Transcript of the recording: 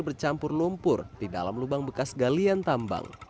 bercampur lumpur di dalam lubang bekas galian tambang